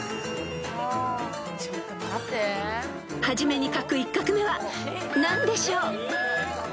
［初めに書く１画目は何でしょう］